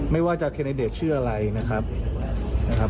ไม่ว่าจากเคนเดตชื่ออะไรนะครับ